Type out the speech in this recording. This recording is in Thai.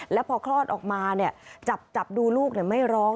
แล้วพอคลอดออกมาจับดูลูกไม่ร้อง